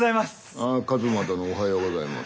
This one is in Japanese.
ああ一馬殿おはようございます。